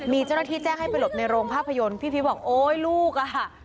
มีเจ้าหน้าที่แจ้งให้ไปหลบในโรงภาพยนตร์พี่พีชบอกโอ๊ยลูกอ่ะ